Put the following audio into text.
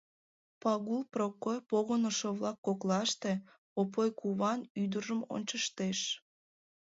— Пагул Прокой погынышо-влак коклаште Опой куван ӱдыржым ончыштеш.